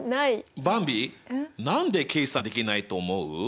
ばんび何で計算できないと思う？